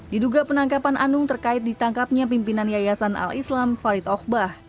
diduga penangkapan anung terkait ditangkapnya pimpinan yayasan al islam farid okbah